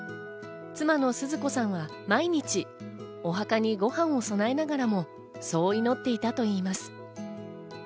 妻の鈴子さんは毎日、お墓にご飯を供えながらも、そう祈っていたといいます。